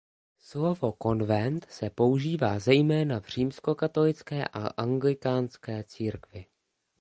Slovo konvent se používá zejména v římskokatolické a anglikánské církvi.